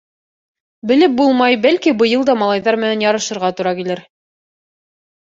Белеп булмай, бәлки, быйыл да малайҙар менән ярышырға тура килер.